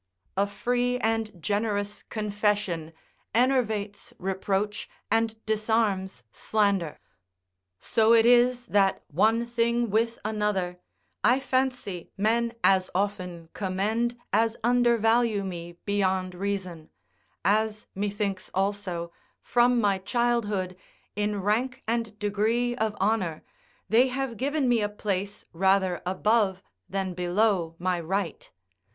A free and generous confession enervates reproach and disarms slander. So it is that, one thing with another, I fancy men as often commend as undervalue me beyond reason; as, methinks also, from my childhood, in rank and degree of honour, they have given me a place rather above than below my right.